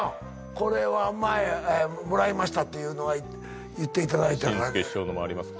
これは前「もらいました」っていうのは言っていただいた紳助師匠のもあります